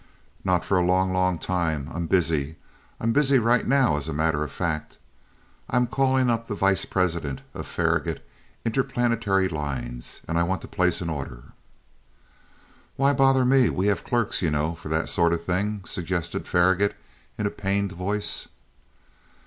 "Not for a long, long time; I'm busy. I'm busy right now as a matter of fact. I'm calling up the vice president of Faragaut Interplanetary Lines, and I want to place an order." "Why bother me? We have clerks, you know, for that sort of thing," suggested Faragaut in a pained voice.